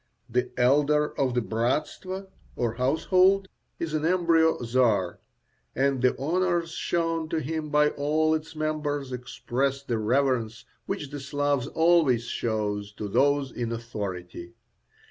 The elder of the bratstvo, or household, is an embryo Czar, and the honours shown to him by all its members express the reverence which the Slav always shows to those in authority.